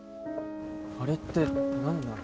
あれって何なの？